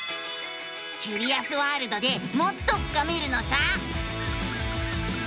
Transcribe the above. キュリアスワールドでもっと深めるのさ！